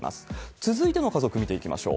続いての家族、見ていきましょう。